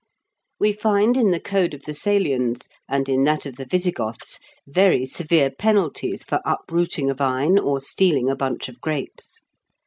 We find in the code of the Salians and in that of the Visigoths very severe penalties for uprooting a vine or stealing a bunch of grapes.